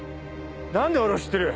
なんで俺を知ってる？